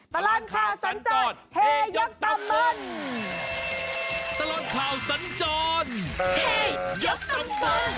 ตลาดข่าวสัญจรเฮยกตำบึง